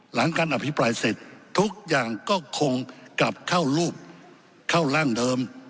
หลังการอภิปรายเสร็จทุกอย่างก็คงกลับเข้ารูปเข้าร่างเดิม